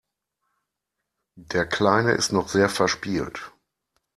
Der Kleine ist noch sehr verspielt.